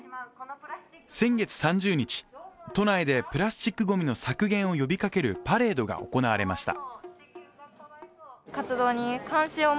先月３０日、都内でプラスチックごみの削減を呼びかけるパレードが行われました。